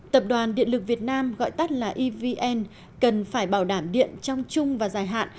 tập đoàn điện lực việt nam gọi tắt là evn cần phải bảo đảm điện trong chung và dài hạn